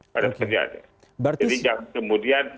jadi yang kemudian korban